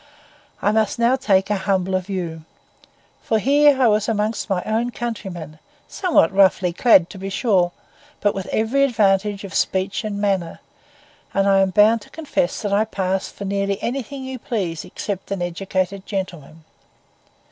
I must now take a humbler view; for here I was among my own countrymen, somewhat roughly clad to be sure, but with every advantage of speech and manner; and I am bound to confess that I passed for nearly anything you please except an educated gentleman.